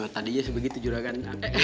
tadinya sebegitu yorakan